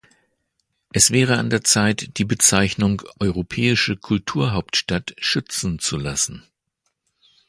Es wäre an der Zeit, die Bezeichnung europäische Kulturhauptstadt schützen zu lassen.